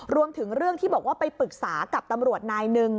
รวมถึงเรื่องที่บอกว่าไปปรึกษากับตำรวจนายหนึ่ง